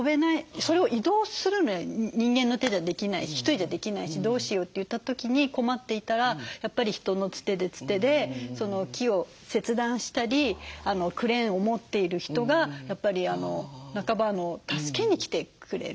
それを移動するのは人間の手じゃできないし一人じゃできないしどうしようといった時に困っていたらやっぱり人のつてでつてでその木を切断したりクレーンを持っている人がやっぱりなかば助けに来てくれる。